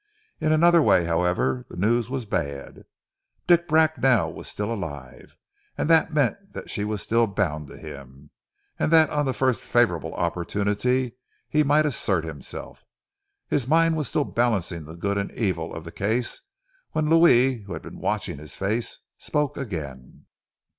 In another way, however, the news was bad. Dick Bracknell was still alive, and that meant that she was still bound to him, and that on the first favourable opportunity he might assert himself. His mind was still balancing the good and evil of the case, when Louis, who had been watching his face, spoke again.